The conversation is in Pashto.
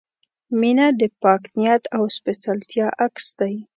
• مینه د پاک نیت او سپېڅلتیا عکس دی.